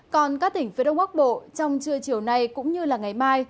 còn các tỉnh phía đông bắc bộ trong trưa chiều nay cũng như ngày mai